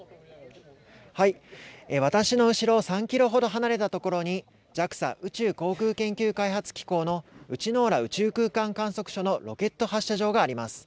私の後ろ３キロほど離れた所に、ＪＡＸＡ・宇宙航空研究開発機構の内之浦宇宙空間観測所のロケット発射場があります。